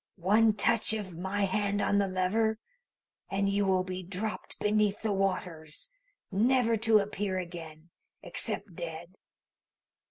"One touch of my hand on the lever, and you will be dropped beneath the waters, never to appear again, except dead.